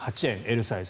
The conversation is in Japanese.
Ｌサイズ。